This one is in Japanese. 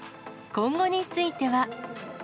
今後については。